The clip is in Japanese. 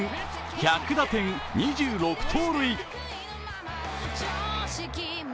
１００打点２６盗塁。